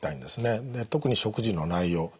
で特に食事の内容。